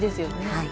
はい。